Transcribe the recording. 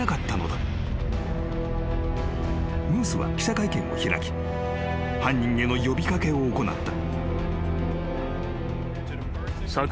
［ムースは記者会見を開き犯人への呼び掛けを行った］